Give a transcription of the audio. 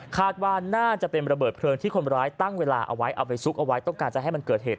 คาดว่าน่าจะเป็นระเบิดเพลิงที่คนร้ายตั้งเวลาเอาไว้เอาไปซุกเอาไว้ต้องการจะให้มันเกิดเหตุ